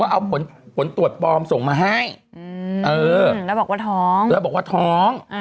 เอาผลตรวจปลอมส่งมาให้แล้วบอกว่าท้องแล้วบอกว่าท้อง